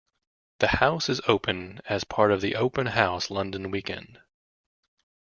The house is open as part of the Open House London weekend.